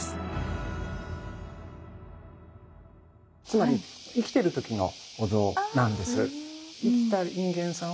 つまり生きてる時のお像なんです。